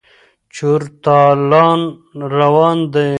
چور تالان روان دی.